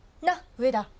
上田。